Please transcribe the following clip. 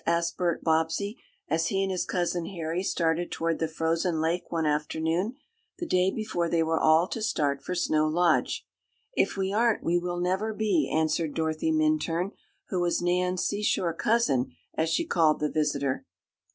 asked Bert Bobbsey, as he and his cousin Harry started toward the frozen lake one afternoon, the day before they were all to start for Snow Lodge. "If we aren't we will never be," answered Dorothy Minturn, who was Nan's "seashore cousin" as she called the visitor.